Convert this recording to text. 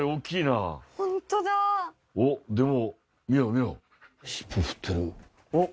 あっでも。